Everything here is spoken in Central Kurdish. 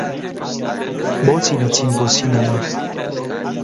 بۆچی نەچین بۆ سینەما؟